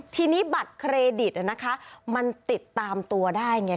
ทีนี้บัตรเครดิตนะคะมันติดตามตัวได้ไง